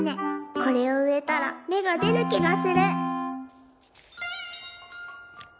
これを植えたら芽が出る気がする。